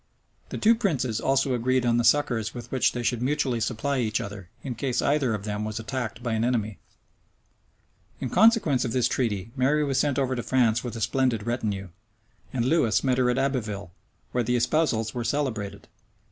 The two princes also agreed on the succors with which they should mutually supply each other, in case either of them was attacked by an enemy.[*] In consequence of this treaty, Mary was sent over to France with a splendid retinue; and Lewis met her at Abbeville, where the espousals were celebrated.